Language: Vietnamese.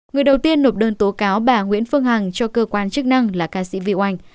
người đầu tiên nộp đơn tố cáo bà nguyễn phương hằng cho cơ quan chức năng là ca sĩ vy oanh